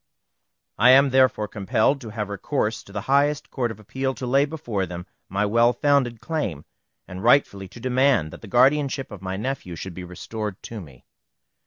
I am therefore compelled to have recourse to the highest Court of Appeal to lay before them my well founded claim, and rightfully to demand that the guardianship of my nephew should be restored to me.